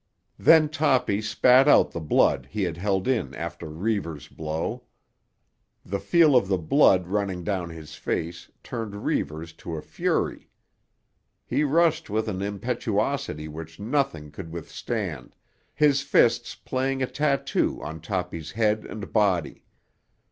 Then Toppy spat out the blood he had held in after Reivers' blow. The feel of the blood running down his face turned Reivers to a fury. He rushed with an impetuosity which nothing could withstand, his fists playing a tattoo on Toppy's head and body.